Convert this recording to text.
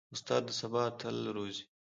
استاد د سبا اتلان روزي.